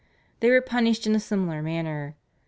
They were punished in a similar manner.